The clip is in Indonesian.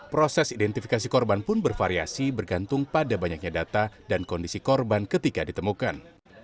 proses identifikasi korban pun bervariasi bergantung pada banyaknya data dan kondisi korban ketika ditemukan